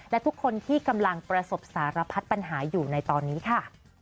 และทุกคนที่กำลังประสบสารพัดปัญหาอยู่ในตอนนี้ค่ะ